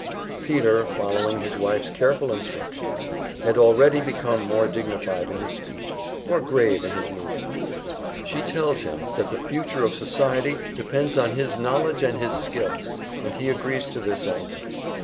Peter, following his wife's careful instructions, has already become more dignified in his speech, more grave in his movements. She tells him that the future of society depends on his knowledge and his skill, and he agrees to this also.